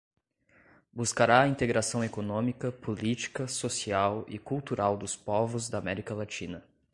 buscará a integração econômica, política, social e cultural dos povos da América Latina